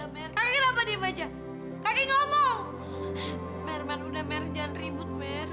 mer jangan ribut mer